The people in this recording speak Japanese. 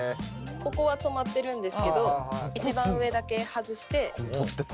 ここは留まってるんですけど一番上だけ外してやってます。